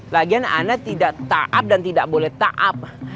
lagian saya tidak ta'ab dan tidak boleh ta'ab